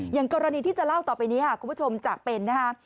อย่างกรณีที่จะเล่าต่อไปนี้ค่ะคุณผู้ชมจากเป็นนะคะ